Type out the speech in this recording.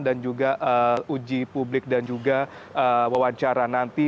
dan juga uji publik dan juga wawancara nanti